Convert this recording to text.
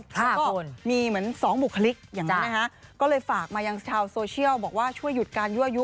ก็มีเหมือนสองบุคลิกอย่างนี้นะฮะก็เลยฝากมายังชาวโซเชียลบอกว่าช่วยหยุดการยั่วยุ